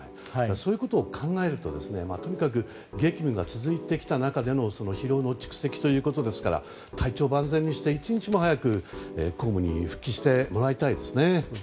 そういうことを考えるととにかく、激務が続いてきた中で疲労の蓄積ということなので体調万全にして１日も早く公務に復帰してもらいたいですね。